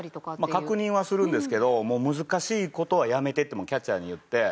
まあ確認はするんですけど難しい事はやめてってキャッチャーに言って。